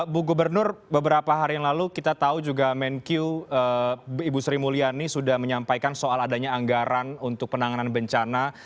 bu gubernur beberapa hari yang lalu kita tahu juga menkyu ibu sri mulyani sudah menyampaikan soal adanya anggaran untuk penanganan bencana